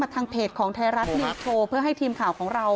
ทางเพจของไทยรัฐนิวโชว์เพื่อให้ทีมข่าวของเรา